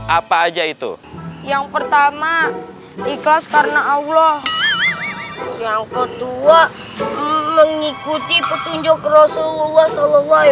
apa aja itu yang pertama ikhlas karena allah yang kedua mengikuti petunjuk rasulullah saw